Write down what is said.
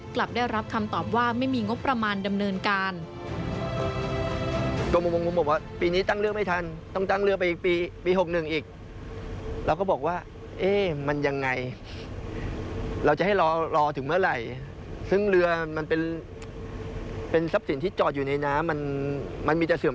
กลับได้รับคำตอบว่าไม่มีงบประมาณดำเนินการ